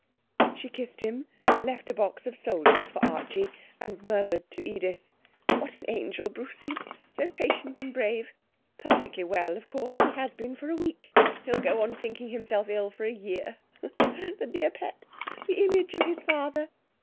She kissed him, left a box of soldiers for Archie and murmured to Edith 'What an angel Bruce is! So patient and brave. Perfectly well, of course. He has been for a week. He'll go on thinking himself ill for a year the dear pet, the image of his father!